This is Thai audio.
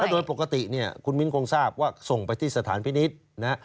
ถ้าโดยปกติคุณมิ้นคงทราบว่าส่งไปที่สถานพินิษฐ์